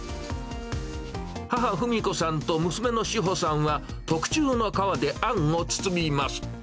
母、史子さんと娘の史穂さんは、特注の皮であんを包みます。